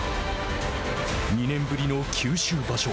２年ぶりの九州場所。